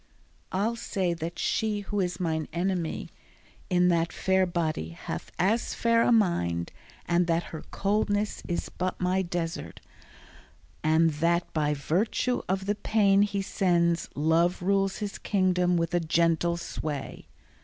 I'll say that she who is mine enemy In that fair body hath as fair a mind, And that her coldness is but my desert, And that by virtue of the pain he sends Love rules his kingdom with a gentle sway.